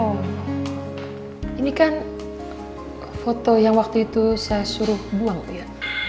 oh ini kan foto yang waktu itu saya suruh buang ya